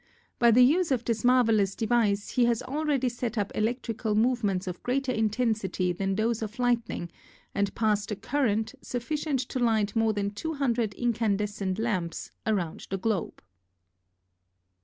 By the use of this marvelous device he has already set up electrical movements of greater intensity than those of lightning and passed a current, sufficient to light more than two hundred incandescent lamps, around the Globe.